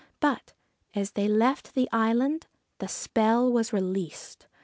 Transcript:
But, as they left the island, the spell was released.